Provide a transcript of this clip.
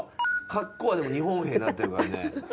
格好はでも日本兵になってるからね。